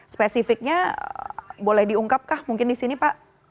spesifiknya boleh diungkapkah mungkin di sini pak